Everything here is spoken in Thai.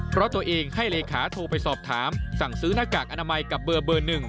เพราะตัวเองให้เลขาโทรไปสอบถามสั่งซื้อหน้ากากอนามัยกับเบอร์๑